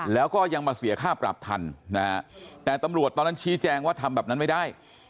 แล้วก็ยังมาเสียค่าปรับทันนะฮะแต่ตำรวจตอนนั้นชี้แจงว่าทำแบบนั้นไม่ได้